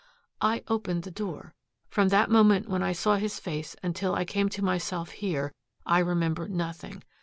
"I opened the door. From that moment when I saw his face until I came to myself here I remember nothing.